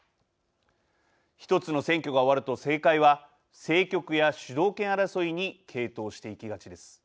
１つの選挙が終わると政界は政局や主導権争いに傾倒していきがちです。